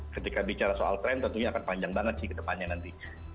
ketika bicara soal tren tentunya akan panjang banget sih ke depannya nanti